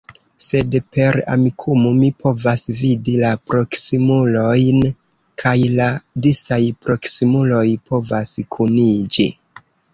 Sed per Amikumu mi povas vidi la proksimulojn, kaj la disaj proksimuloj povas kuniĝi.